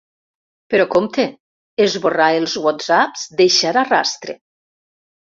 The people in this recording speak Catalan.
Però compte, esborrar els whatsapps deixarà rastre.